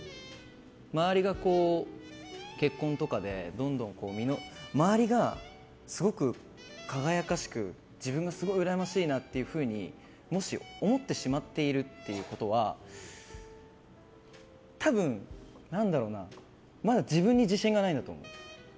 周りが結婚とかでどんどん周りがすごく輝かしく自分がうらやましいなっていうふうに思ってしまっているということは多分、まだ自分に自信がないんだと思う。